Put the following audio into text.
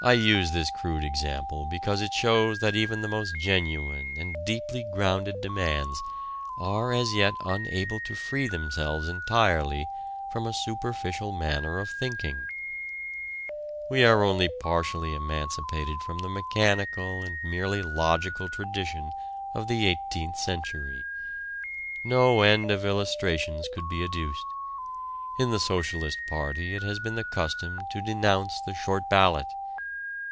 I use this crude example because it shows that even the most genuine and deeply grounded demands are as yet unable to free themselves entirely from a superficial manner of thinking. We are only partially emancipated from the mechanical and merely logical tradition of the Eighteenth Century. No end of illustrations could be adduced. In the Socialist party it has been the custom to denounce the "short ballot."